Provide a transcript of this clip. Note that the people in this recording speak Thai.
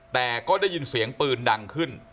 แต่ก็ได้ยินเสียงปืนดังขึ้น